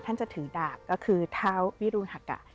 ท่านจะถือดาบก็คือเท้าวิรุณฮักกะ